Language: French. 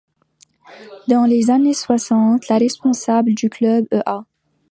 Dans les années soixante, les responsables du club, e.a.